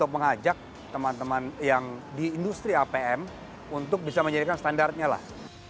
mengajak teman teman yang di industri apm untuk bisa menjadikan standarnya lah